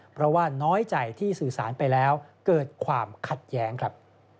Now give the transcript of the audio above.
เพราะว่าน้อยใจที่สื่อสารไปแล้วเกิดความขัดแย้งครับ